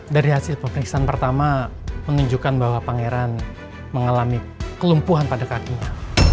dari hasil pemeriksaan pertama menunjukkan bahwa pangeran mengalami kelumpuhan pada kakinya